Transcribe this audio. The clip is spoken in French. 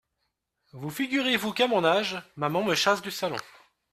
Vous figurez-vous qu’à mon âge, Maman me chasse du salon !